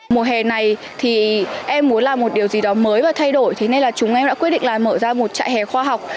mùa hè này thì em muốn làm một điều gì đó mới và thay đổi thế nên là chúng em đã quyết định là mở ra một trại hè khoa học